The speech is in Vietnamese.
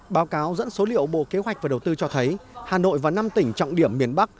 báo cáo dẫn số liệu bộ kế hoạch và đầu tư cho thấy hà nội và năm tỉnh trọng điểm miền bắc